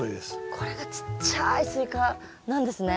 これがちっちゃいスイカなんですね。